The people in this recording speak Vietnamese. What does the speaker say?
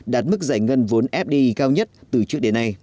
đạt mức giải ngân vốn fdi cao nhất từ trước đến nay